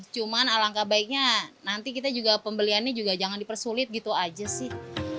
cuman alangkah baiknya nanti kita juga pembeliannya juga jangan dipersulit gitu aja sih